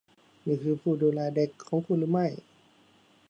นี่คือผู้ดูแลเด็กของคุณหรือไม่ ?